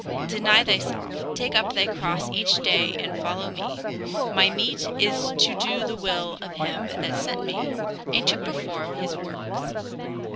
Deny thyself, take up thy cross each day and follow me. My meat is to do the will of him that sent me, and to perform his works.